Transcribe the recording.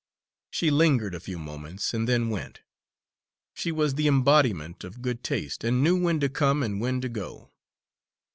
She lingered a few moments and then went. She was the embodiment of good taste and knew when to come and when to go.